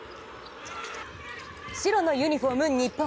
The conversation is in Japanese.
白のユニフォーム、日本